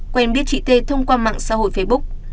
quen biết chị tê thông qua mạng xã hội facebook